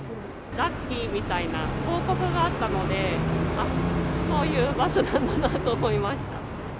ラッキーみたいな、広告があったので、そういうバスなんだなと思いました。